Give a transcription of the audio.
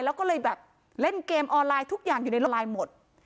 แล้วก็เลยเล่นเกมออนไลน์ทุกอย่างอยู่ในโลกออนไลน์หมด